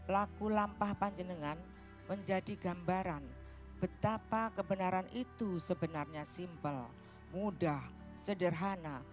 laku lampah panjenengan menjadi gambaran betapa kebenaran itu sebenarnya simple mudah sederhana